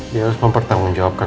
dia harus mempertanggungjawabkan